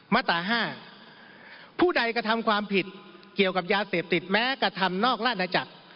มาตรา๕ผู้ใดกระทำความผิดเกี่ยวกับยาเสพติดแม้กระทำนอกราชนาจักร